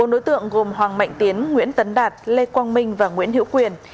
bốn đối tượng gồm hoàng mạnh tiến nguyễn tấn đạt lê quang minh và nguyễn hữu quyền